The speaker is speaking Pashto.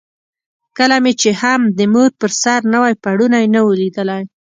کله مې هم د مور پر سر نوی پوړونی نه وو لیدلی.